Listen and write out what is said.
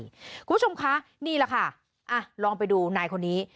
คุณผู้ชมคะนี่แหละค่ะลองไปดูนายคนนี้